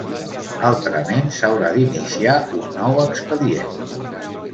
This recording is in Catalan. Altrament s'haurà d'iniciar un nou expedient.